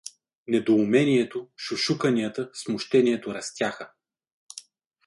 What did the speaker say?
Недоумението, шушуканията, смущението растяха.